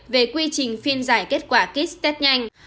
về quy trình phiên giải kết quả kit test nhanh